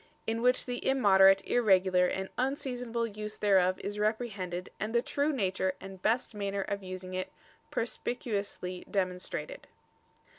In which the immoderate, irregular, and unseasonable use thereof is reprehended, and the true nature and best manner of using it, perspicuously demonstrated."